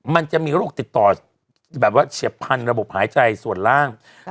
มันจะมีโรคติดต่อแบบว่าเฉียบพันธระบบหายใจส่วนล่าง